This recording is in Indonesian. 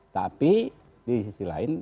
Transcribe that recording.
tapi di sisi lain